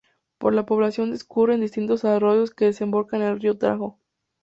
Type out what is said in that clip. Por la población discurren distintos arroyos que desembocan en el río Tajo.